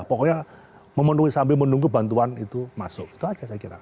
pokoknya memenuhi sambil menunggu bantuan itu masuk itu aja saya kira